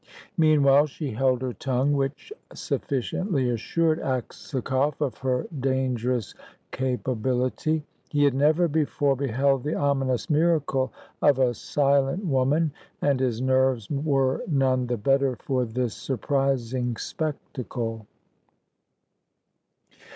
Meanwhile, she held her tongue, which sufficiently assured Aksakoff of her dangerous capability. He had never before beheld the ominous miracle of a silent woman, and his nerves were none the better for this surprising spectacle.